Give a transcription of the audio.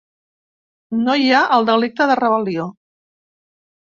No hi ha el delicte de rebel·lió.